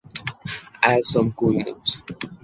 I have some cool moves.